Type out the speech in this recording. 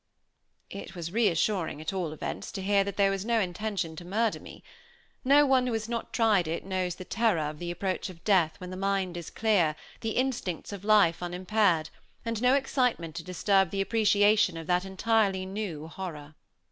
It was reassuring, at all events, to hear that there was no intention to murder me. No one who has not tried it knows the terror of the approach of death, when the mind is clear, the instincts of life unimpaired, and no excitement to disturb the appreciation of that entirely new horror.